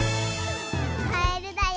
カエルだよ。